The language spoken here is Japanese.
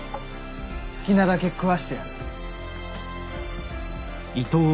好きなだけ食わしてやる。